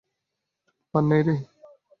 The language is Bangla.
পান নেই ঘরে?